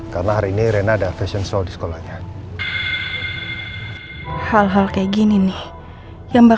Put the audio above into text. karena hari ini reina ada fashion show di sekolahnya